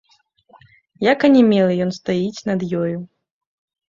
Як анямелы, ён стаіць над ёю.